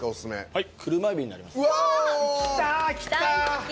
はい？